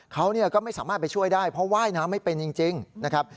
เขาก็ไม่สามารถไปช่วยได้เพราะว่ายน้ำไม่เป็นจริงนะครับ